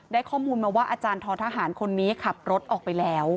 ข้อมูลมาว่าอาจารย์ท้อทหารคนนี้ขับรถออกไปแล้ว